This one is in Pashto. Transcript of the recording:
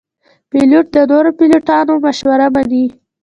پیلوټ د نورو پیلوټانو مشوره مني.